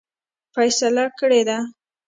فیصله کړې ده.